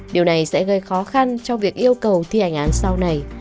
điều này sẽ gây khó khăn cho việc yêu cầu thi hành án sau này